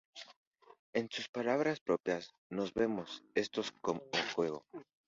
En sus palabras propias: "no vemos esto como juego.